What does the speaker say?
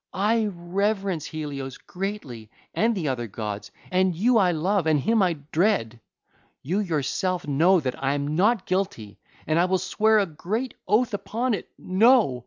I reverence Helios greatly and the other gods, and you I love and him I dread. You yourself know that I am not guilty: and I will swear a great oath upon it:—No!